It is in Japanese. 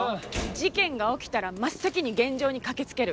事件が起きたら真っ先に現場に駆けつける。